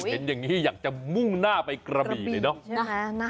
เห็นอย่างนี้อยากจะมุ่งหน้าไปกระบี่เลยเนาะ